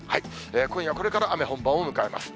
今夜これから雨、本番を迎えます。